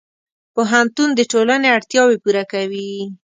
پوهنتون د ټولنې اړتیاوې پوره کوي.